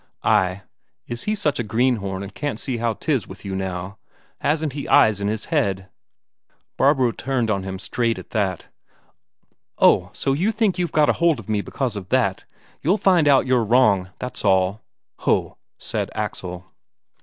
"Ay. Is he such a greenhorn and can't see how 'tis with you now? Hasn't he eyes in his head?" Barbro turned on him straight at that: "Oh, so you think you've got a hold on me because of that? You'll find out you're wrong, that's all." "Ho!" said Axel.